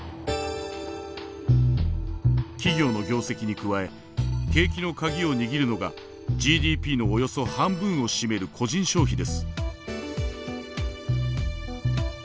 企業の業績に加え景気の鍵を握るのがＧＤＰのおよそ半分を占める個人消費です。